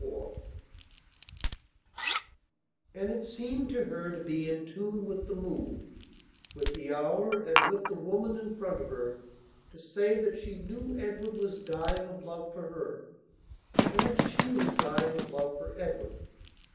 IV AND it seemed to her to be in tune with the mood, with the hour, and with the woman in front of her to say that she knew Edward was dying of love for her and that she was dying of love for Edward.